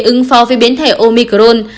ứng phó với biến thể omicron